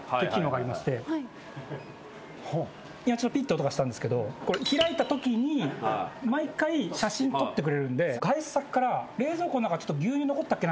ピッて音がしたんですけど開いたときに毎回写真撮ってくれるんで外出先から冷蔵庫の中牛乳残ってたっけな？